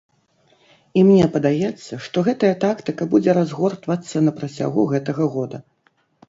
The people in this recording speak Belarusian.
І мне падаецца, што гэтая тактыка будзе разгортвацца на працягу гэтага года.